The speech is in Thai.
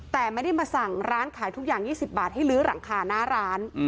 แต่ไม่ได้มาสั่งร้านขายทุกอย่าง๒๐บาทให้ลื้อหลังคาหน้าร้าน